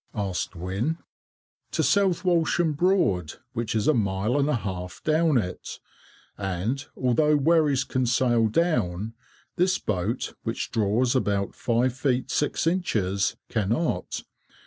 asked Wynne. "To South Walsham Broad, which is a mile and a half down it; and, although wherries can sail down, this boat, which draws about five feet six inches, cannot.